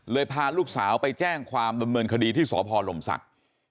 พาลูกสาวไปแจ้งความดำเนินคดีที่สพลมศักดิ์